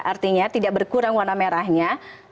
artinya tidak berkurang warna merahnya